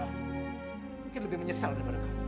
mungkin lebih menyesal daripada kamu